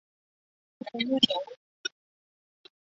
秦时改称乌程县。